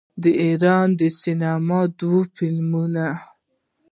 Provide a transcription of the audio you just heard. د ایران د سینما دوه فلمونه